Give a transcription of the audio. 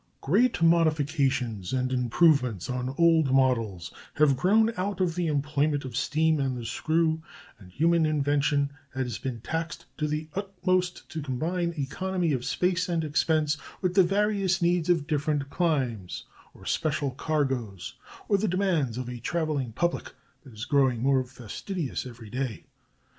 Great modifications and improvements on old models have grown out of the employment of steam and the screw, and human invention has been taxed to the uttermost to combine economy of space and expense with the various needs of different climes, or special cargoes, or the demands of a traveling public that is growing more fastidious every day.